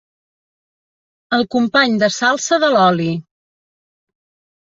El company de salsa de l'oli.